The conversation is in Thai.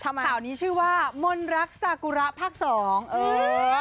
อันนี้ชื่อว่ามนรักสากุระภักดิ์๒